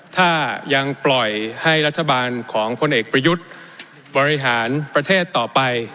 ถ้ายังปล่อยให้รัฐบาลของพลเอกประยุทธ์บริหารประเทศต่อไป